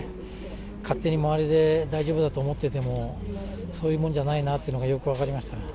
勝手に周りで大丈夫だと思ってても、そういうもんじゃないなというのがよく分かりましたね。